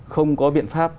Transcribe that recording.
không có biện pháp